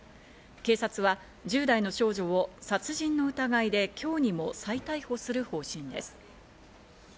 警察は１０代の少女を殺人の疑いで、今日にも再逮捕する方針です。